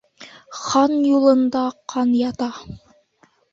Хан юлында ҡан ята.